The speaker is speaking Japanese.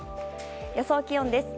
予想気温です。